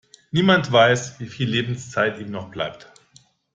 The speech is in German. Niemand weiß, wie viel Lebenszeit ihm noch bleibt.